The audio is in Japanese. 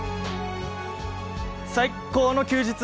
最高の休日！